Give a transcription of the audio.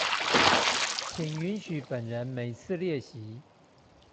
請允許本人每次列席